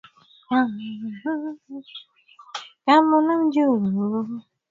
watu hao wakiimba nyimbo mbalimbali wamekiita chama cha hezbollah kuwa ni cha kishetani